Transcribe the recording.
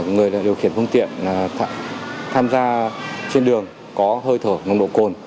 người điều khiển phương tiện tham gia trên đường có hơi thở nồng độ cồn